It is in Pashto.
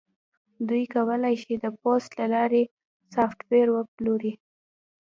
دوی کولی شي د پوست له لارې سافټویر وپلوري